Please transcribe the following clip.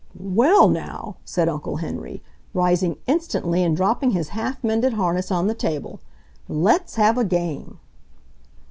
"Well, NOW ..." said Uncle Henry, rising instantly and dropping his half mended harness on the table. "Let's have a game."